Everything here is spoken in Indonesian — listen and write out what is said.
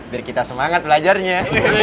biar kita semangat belajarnya